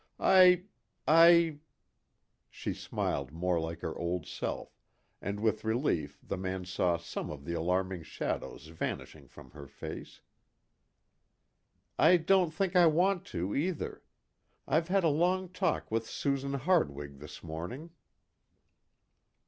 I I" she smiled more like her old self, and with relief the man saw some of the alarming shadows vanishing from her face, "I don't think I want to, either. I've had a long talk with Susan Hardwig this morning."